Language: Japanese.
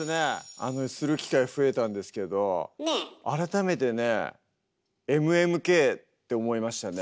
あのする機会増えたんですけど改めてねって思いましたね。